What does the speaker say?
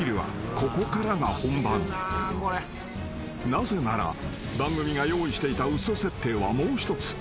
［なぜなら番組が用意していた嘘設定はもう一つ］